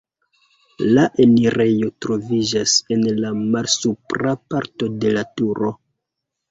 La enirejo troviĝas en la malsupra parto de la turo.